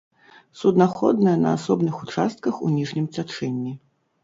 Суднаходная на асобных участках у ніжнім цячэнні.